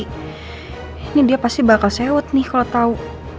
ini dia pasti bakal sewet nih kalau tau